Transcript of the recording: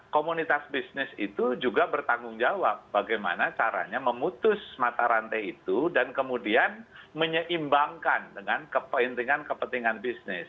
komunitas bisnis itu juga bertanggung jawab bagaimana caranya memutus mata rantai itu dan kemudian menyeimbangkan dengan kepentingan kepentingan bisnis